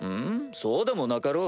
そうでもなかろう。